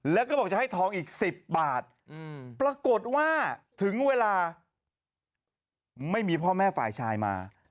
แล้วก็บอกจะให้ทองอีก๑๐บาทปรากฏว่าถึงเวลาไม่มีพ่อแม่ฝ่ายชายมา